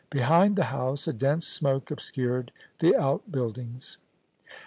Behind the house a dense smoke obscured the out buildings.